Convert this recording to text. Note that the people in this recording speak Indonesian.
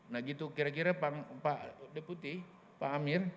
nah gitu kira kira pak deputi pak amir